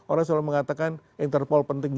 orang selalu mengatakan interpol penting